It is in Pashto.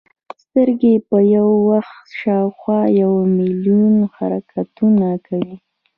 سترګې په یوه ورځ شاوخوا یو ملیون حرکتونه کوي.